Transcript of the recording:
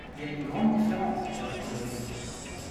Il y a une grande différence, chers collègues.